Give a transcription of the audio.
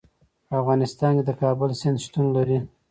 په افغانستان کې د کابل سیند شتون لري.